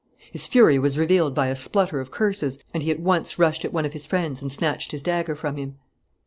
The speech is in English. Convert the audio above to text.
His fury was revealed by a splutter of curses and he at once rushed at one of his friends and snatched his dagger from him.